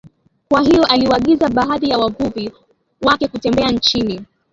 Kwa hiyo aliwaagiza baadhi ya wavuvi wake kutembea chini